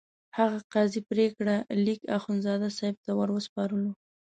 هغه قضایي پرېکړه لیک اخندزاده صاحب ته وروسپارلو.